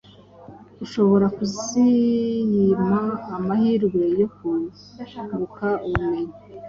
ushobora kuziyima amahirwe yo kunguka ubumenyi